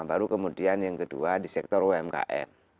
baru kemudian yang kedua di sektor umkm